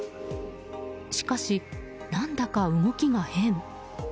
しかし、何だか動きが変。